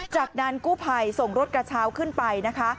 จากนั้นกู้ภัยส่งรถกระเช้าขึ้นไปนะคะ